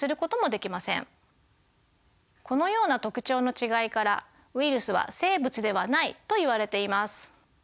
このような特徴の違いからウイルスは生物ではないといわれています。